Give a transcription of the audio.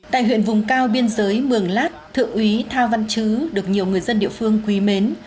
tại huyện vùng cao biên giới mường lát thượng úy thao văn chứ được nhiều người dân địa phương quý mến